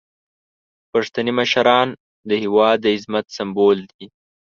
پښتني مشران د هیواد د عظمت سمبول دي.